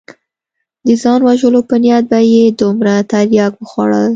د ځان وژلو په نيت به يې دومره ترياک وخوړل.